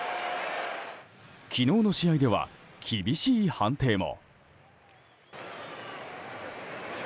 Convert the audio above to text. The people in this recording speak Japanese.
昨日の試合では厳しい判定も。